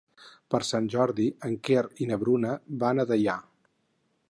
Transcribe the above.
Per Sant Jordi en Quer i na Bruna van a Deià.